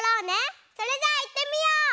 それじゃあいってみよう！